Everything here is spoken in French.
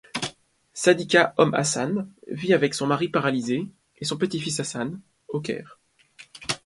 Saddika Om Hassan vit avec son mari paralysé, et son petit-fils Hassan, au Caire.